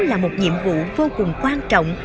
là một nhiệm vụ vô cùng quan trọng